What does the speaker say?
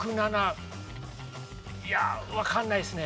いやわからないですね。